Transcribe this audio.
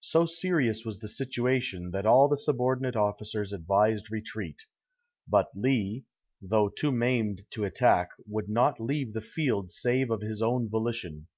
So serious was the situation that all the subordinate officers advised retreat. But Lee, though too maimed to attack, would not leave the field save of his own volition.